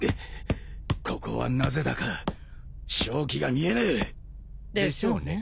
ここはなぜだか勝機が見えねえ。でしょうね。